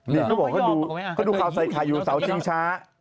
นี่เขาบอกก็ดูเคราะห์ใส่คายูเสาร์สิ้งช้า